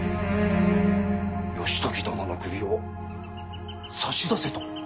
義時殿の首を差し出せと。